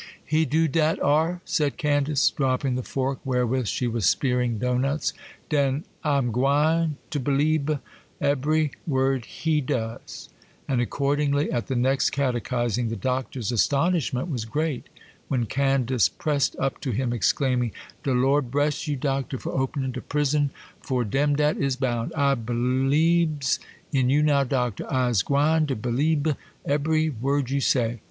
'He do dat ar'?' said Candace, dropping the fork wherewith she was spearing doughnuts. 'Den I'm gwine to b'liebe ebery word he does!' And accordingly, at the next catechizing, the Doctor's astonishment was great when Candace pressed up to him, exclaiming,— 'De Lord bress you, Doctor, for opening de prison for dem dat is bound! I b'liebes in you now, Doctor. I's gwine to b'liebe ebery word you say.